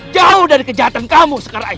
jauh dari kejahatan kamu sekarang